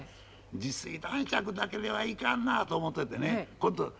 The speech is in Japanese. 自炊男爵だけではいかんなと思っててね今度